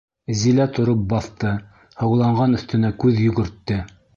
Зилә тороп баҫты, һыуланған өҫтөнә күҙ йүгертте.